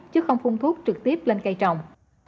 chứ không phun thuốc trực tiếp lên cây trồng